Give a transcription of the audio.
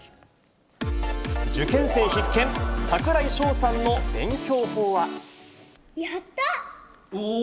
受験生必見、櫻井翔さんの勉やったー！